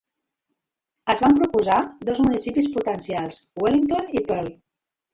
Es van proposar dos municipis potencials: Wellington i Pearl.